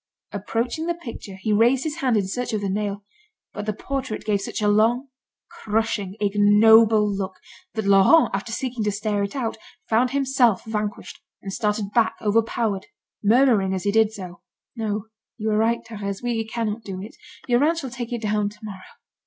Approaching the picture, he raised his hand in search of the nail, but the portrait gave such a long, crushing, ignoble look, that Laurent after seeking to stare it out, found himself vanquished, and started back overpowered, murmuring as he did so: "No, you are right, Thérèse, we cannot do it. Your aunt shall take it down to morrow."